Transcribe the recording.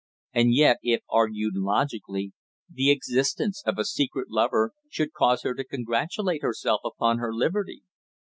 And yet, if argued logically, the existence of a secret lover should cause her to congratulate herself upon her liberty.